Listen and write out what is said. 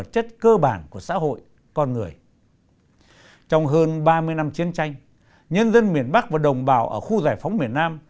trong hơn ba mươi năm chiến tranh nhân dân miền bắc và đồng bào ở khu giải phóng miền nam